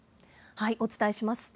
お伝えします。